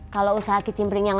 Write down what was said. kalo usaha kicimpering kita maju